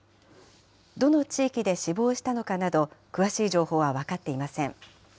どの地域で死亡したのかなど、詳しい情報は分かっていません。